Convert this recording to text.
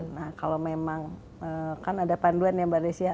nah kalau memang kan ada panduan ya mbak desya